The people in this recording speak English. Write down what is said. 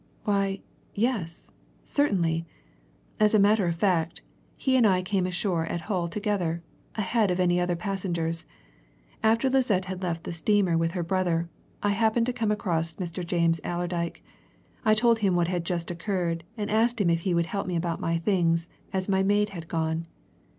"Why, yes, certainly! As a matter of fact, he and I came ashore at Hull together, ahead of any other passengers. After Lisette had left the steamer with her brother, I happened to come across Mr. James Allerdyke. I told him what had just occurred, and asked him if he would help me about my things, as my maid had gone.